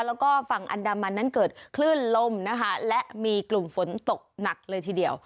แล้วก็ฝั่งอันดามันนั้นเกิดคลื่นลมนะคะและมีกลุ่มฝนตกหนักเลยทีเดียว